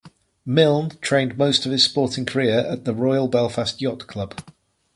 Milne trained most of his sporting career at the Royal Belfast Yacht Club.